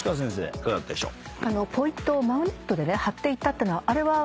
いかがだったでしょう？